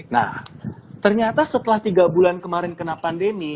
nah ternyata setelah tiga bulan kemarin kena pandemi